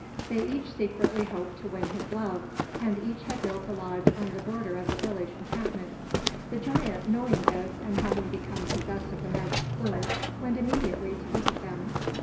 They each secretly hoped to win his love, and each had built a lodge on the border of the village encampment. The giant, knowing this and having become possessed of the magic plume, went immediately to visit them.